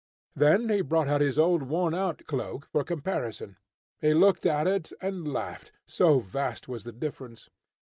Then he brought out his old, worn out cloak, for comparison. He looked at it, and laughed, so vast was the difference.